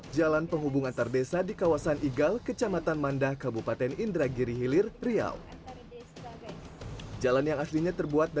jalan sakaratul maut